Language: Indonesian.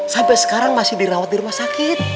sampai sekarang masih dirawat di rumah sakit